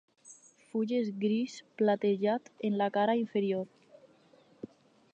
Fulles gris platejat en la cara inferior.